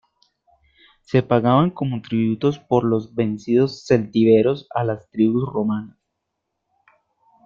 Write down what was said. Se pagaban como tributos por los vencidos celtíberos a las tribus romanas.